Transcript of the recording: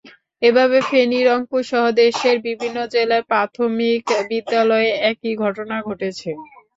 এভাবে ফেনী, রংপুরসহ দেশের বিভিন্ন জেলার প্রাথমিক বিদ্যালয়ে একই ঘটনা ঘটেছে।